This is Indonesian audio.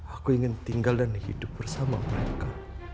aku ingin tinggal dan hidup bersama mereka